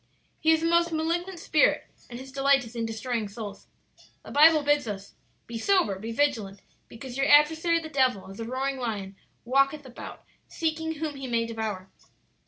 "He is a most malignant spirit, and his delight is in destroying souls. The Bible bids us, 'Be sober, be vigilant, because your adversary the devil as a roaring lion walketh about, seeking whom he may devour.'